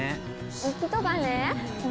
行きとかね。